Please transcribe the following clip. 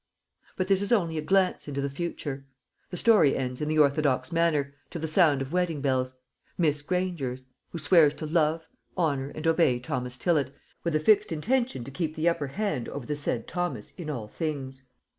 But this is only a glance into the future. The story ends in the orthodox manner, to the sound of wedding bells Miss Granger's who swears to love, honour, and obey Thomas Tillott, with a fixed intention to keep the upper hand over the said Thomas in all things.